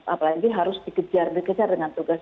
apalagi harus dikejar dikejar dengan tugas